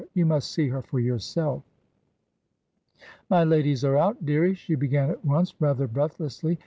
you must see her for yourself." "My ladies are out, dearie," she began at once, rather breathlessly.